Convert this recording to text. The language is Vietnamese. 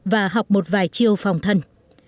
và học một vài chiêu phòng thân